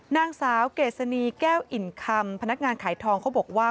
นางสาวเกษณีแก้วอิ่มคำพนักงานขายทองเขาบอกว่า